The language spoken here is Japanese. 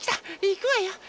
いくわよ。